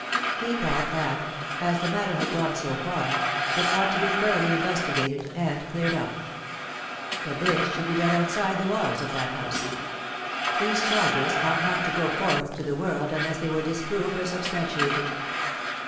... He thought that, as the matter had gone so far, it ought to be thoroughly in vestigated and cleared up. But this should be done outside the walls of that House. These charges ought not to go forth to the world unless they were disproved or substan tiated.